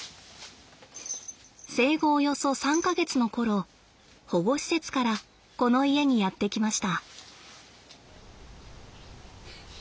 生後およそ３か月の頃保護施設からこの家にやって来ました。